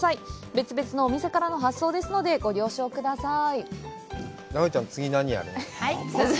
別々のお店からの発送になりますので、ご了承ください。